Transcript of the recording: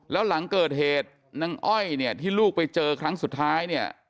แล้วหลังเกิดเหตุนางอ้อยเนี่ยที่ลูกไปเจอครั้งสุดท้ายเนี่ย